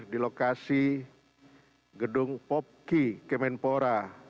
di lokasi gedung popki kemenpora